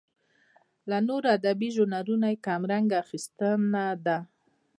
له نورو ادبي ژانرونو یې کمرنګه اخیستنه نه ده.